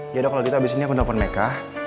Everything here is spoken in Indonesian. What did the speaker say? yaudah kalau gitu abis ini aku telepon meika